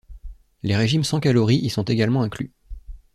Les régimes sans calories y sont également inclus.